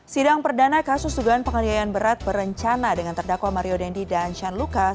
sidang perdana kasus tuguhan pengelolaan berat berencana dengan terdakwa mario dendi dan sean lucas